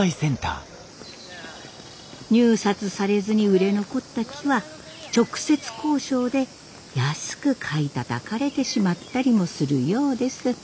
入札されずに売れ残った木は直接交渉で安く買いたたかれてしまったりもするようです。